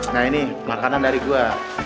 nah ini makanan dari gue